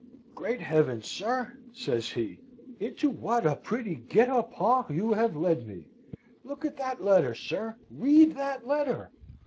"Great heavens, sir!" says he, "into what a pretty guet a pens have you led me! Look at that letter, sir! read that letter!"